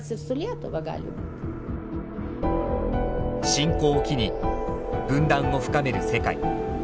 侵攻を機に分断を深める世界。